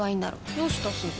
どうしたすず？